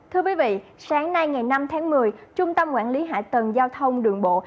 thưa quý vị sáng nay ngày năm tháng một mươi trung tâm quản lý hạ tầng giao thông đường bộ